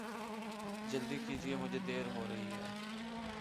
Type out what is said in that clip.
جلدی کیجئے مجھے دعر ہو رہی ہے